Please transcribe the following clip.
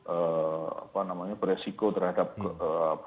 apa namanya beresiko terhadap